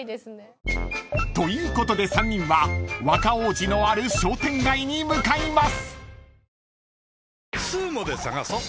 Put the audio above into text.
［ということで３人は若王子のある商店街に向かいます］